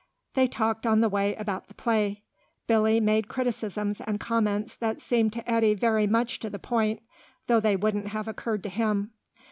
They talked on the way about the play. Billy made criticisms and comments that seemed to Eddy very much to the point, though they wouldn't have occurred to him.